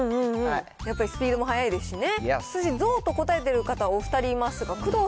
やっぱりスピードも速いですしね。